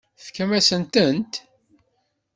Tefkamt-asent-tent?